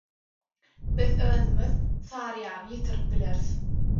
Biz özümiz «Saryýany» ýitirip bileris